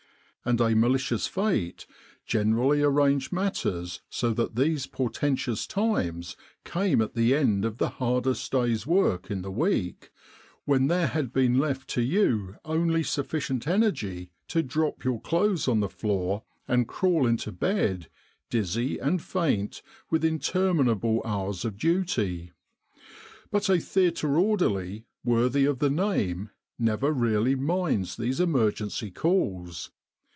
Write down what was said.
And a malicious Fate generally arranged matters so that these portentous times came at the end of the hardest day's work in the week, when there had been left to you only sufficient energy to drop your clothes on the floor and crawl into bed, dizzy and faint with interminable hours of duty. But a theatre orderly worthy of the name never really minds these emergency calls.